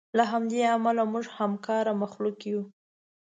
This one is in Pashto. له همدې امله موږ همکاره مخلوق یو.